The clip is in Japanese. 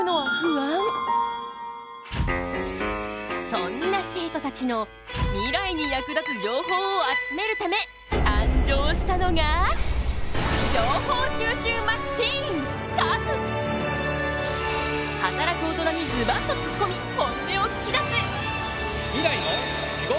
そんな生徒たちのミライに役立つ情報を集めるため誕生したのが働く大人にズバッとつっこみ本音を聞きだす！